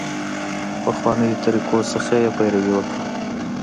پخوانیو طریقو څخه یې پیروي وکړه.